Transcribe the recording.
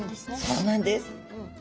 そうなんです。